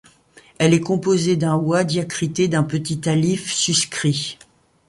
Elle est composée d’un wāw diacrité d’un petit alif suscrit.